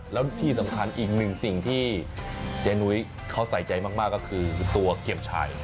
แล้วที่สำคัญอีกหนึ่งสิ่งที่เจ๊นุ้ยเขาใส่ใจมากก็คือตัวเกมชาย